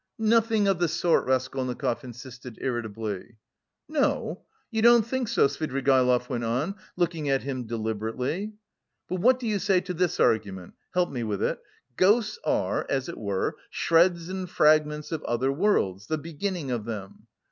"Nothing of the sort," Raskolnikov insisted irritably. "No? You don't think so?" Svidrigaïlov went on, looking at him deliberately. "But what do you say to this argument (help me with it): ghosts are, as it were, shreds and fragments of other worlds, the beginning of them.